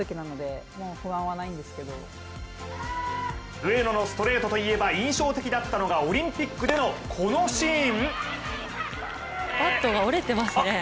上野のストレートといえば印象的だったのがオリンピックでの、このシーン。